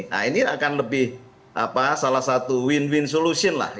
nah ini akan lebih salah satu win win solution lah